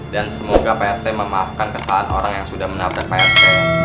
dan semoga prt memaafkan kesalahan orang yang sudah menangkap prt